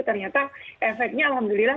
ternyata efeknya alhamdulillah